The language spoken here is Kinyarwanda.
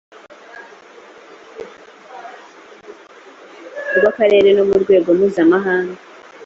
rw akarere no mu rwego mpuzamahanga